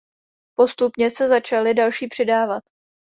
Postupně se začaly další přidávat.